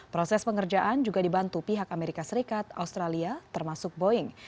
proses pengerjaan juga dibantu pihak amerika serikat australia termasuk boeing